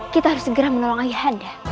kita harus segera menolong ayah anda